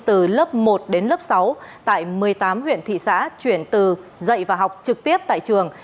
từ lớp một đến lớp sáu tại một mươi tám huyện thị xã chuyển từ dạy và học trực tiếp tại trường